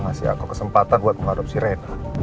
ngasih aku kesempatan buat mengadopsi rena